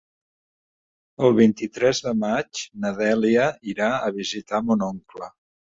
El vint-i-tres de maig na Dèlia irà a visitar mon oncle.